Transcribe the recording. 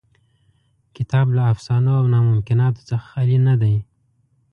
کتاب له افسانو او ناممکناتو څخه خالي نه دی.